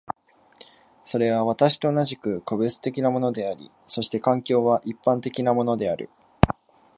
それは私と同じく個別的なものであり、そして環境は一般的なものである。